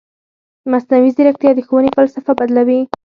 مصنوعي ځیرکتیا د ښوونې فلسفه بدلوي.